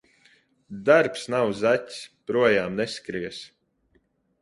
Darbs nav zaķis – projām neskries.